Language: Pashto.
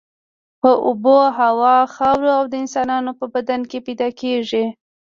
په اوبو، هوا، خاورو او د انسانانو په بدن کې پیدا کیږي.